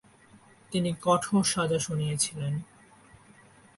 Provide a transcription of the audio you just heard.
তিনি কঠোর সাজা শুনিয়েছিলেন।